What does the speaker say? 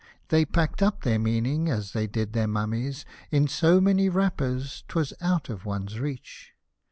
They packed up their meaning, as they did their mummies. In so many wrappers, 'twas out of one's reach.